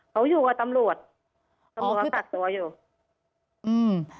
เขาอยู่กับตำรวจตำรวจเขากักตัวอยู่อืม